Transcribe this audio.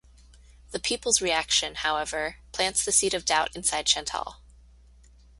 The people's reaction, however, plants the seed of doubt inside Chantal.